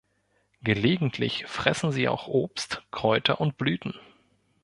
Gelegentlich fressen sie auch Obst, Kräuter und Blüten.